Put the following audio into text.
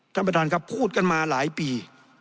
ท่านประธานครับพูดกันมาหลายปี